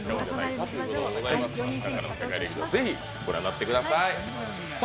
ぜひ御覧になってください。